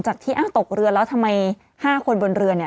จากที่ตกเรือแล้วทำไม๕คนบนเรือ